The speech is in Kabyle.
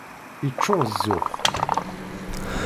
Yeččuṛ d zzux.